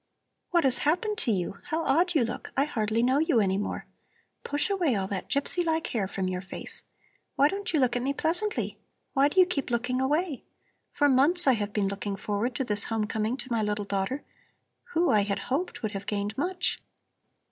"What has happened to you? How odd you look! I hardly know you any more! Push away all that gypsy like hair from your face! Why don't you look at me pleasantly? Why do you keep looking away? For months I have been looking forward to this home coming to my little daughter, who, I had hoped, would have gained much.